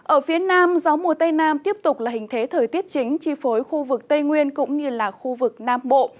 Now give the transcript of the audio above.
ở phía nam gió mùa tây nam tiếp tục là hình thế thời tiết chính chi phối khu vực tây nguyên cũng như là khu vực nam bộ